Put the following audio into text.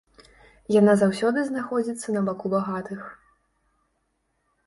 Яна заўсёды знаходзіцца на баку багатых.